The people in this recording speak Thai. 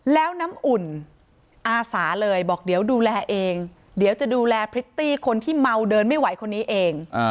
แล้วน้ำอุ่นอาสาเลยบอกเดี๋ยวดูแลเองเดี๋ยวจะดูแลพริตตี้คนที่เมาเดินไม่ไหวคนนี้เอง